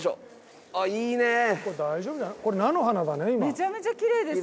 めちゃめちゃきれいですよ。